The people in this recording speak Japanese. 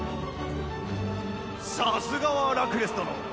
さすがはラクレス殿！